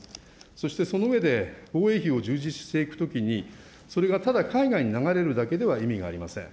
そして、その上で防衛費を充実していくときに、それがただ海外に流れるだけでは意味がありません。